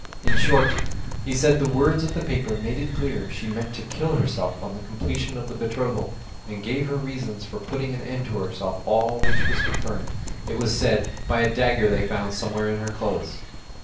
In short, he said, the words of the paper made it clear she meant to kill herself on the completion of the betrothal, and gave her reasons for putting an end to herself all which was confirmed, it was said, by a dagger they found somewhere in her clothes.